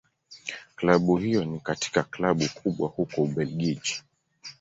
Klabu hiyo ni katika Klabu kubwa huko Ubelgiji.